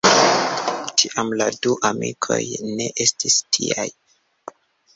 Tiam la du amikoj ne estis tiaj.